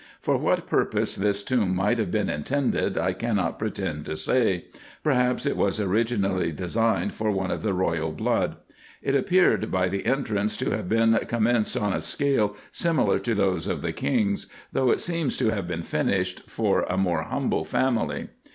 For what purpose this tomb might have been intended, I cannot pretend to say : perhaps it was originally designed for one of the royal blood. It appeared by the entrance to have been commenced on a scale similar to those of the kings ; though it seems to have been finished for a more humble family.